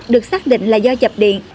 được xác định là do chập điện